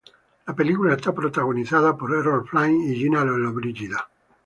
La película está protagonizada por Errol Flynn y Gina Lollobrigida.